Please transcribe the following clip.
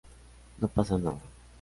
No pasa nada".